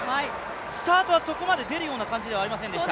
スタートはそこまで出るような感じではありませんでした。